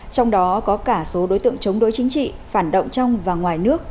trong đó có cả số đối tượng chống đối chính trị phản động trong và ngoài nước